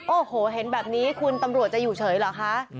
โอ้โหเห็นแบบนี้คุณตำรวจจะอยู่เฉยเหรอคะ